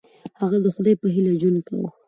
هغه د خدای په هیله ژوند کاوه.